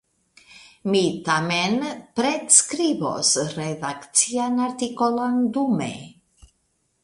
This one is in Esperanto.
Mi tamen pretskribos redakcian artikolon dume.